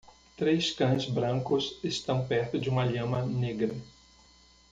Três cães brancos estão perto de uma lhama negra.